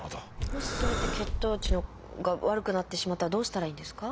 もしそうやって血糖値が悪くなってしまったらどうしたらいいんですか？